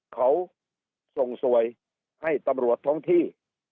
เขาส่งสวยให้ตำรวจท้องที่